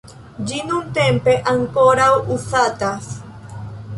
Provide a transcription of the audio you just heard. Ĝi nuntempe ankoraŭ uzatas.